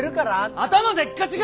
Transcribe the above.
頭でっかちが！